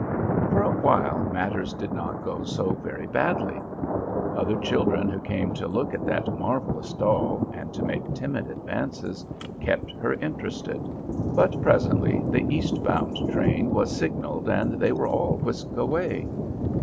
For a while matters did not go so very badly. Other children, who came to look at that marvellous doll and to make timid advances, kept her interested. But presently the east bound train was signalled and they were all whisked away.